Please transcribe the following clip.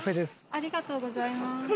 ありがとうございます。